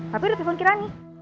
papi udah telfon kirani